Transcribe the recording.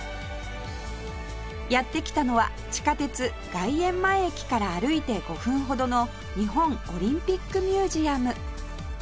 やって来たのは地下鉄外苑前駅から歩いて５分ほどの日本オリンピックミュージアム